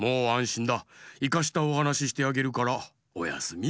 いかしたおはなししてあげるからおやすみ。